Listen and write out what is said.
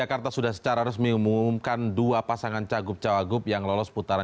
agus silvi pertama pertama